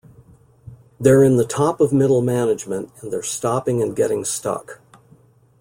They're in the top of middle management and they're stopping and getting stuck.